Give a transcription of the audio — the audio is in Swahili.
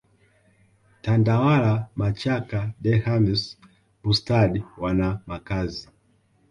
Tandawala machaka Denhams Bustard wana makazi